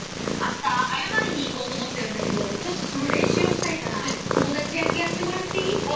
明日謝りに行こうと思ってるんだけどちょっとその練習をしたいから友達役やってもらっていい？